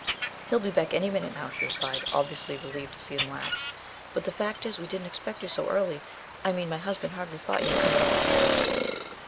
"He'll be back any minute now," she replied, obviously relieved to see him laugh; "but the fact is, we didn't expect you so early I mean, my husband hardly thought you would come at all."